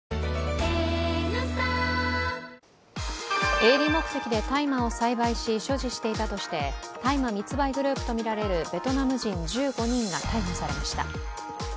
営利目的で大麻を栽培し、所持していたとして大麻密売グループとみられるベトナム人１５人が逮捕されました。